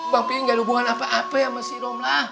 bang p i gak ada hubungan apa apa ya sama si romlah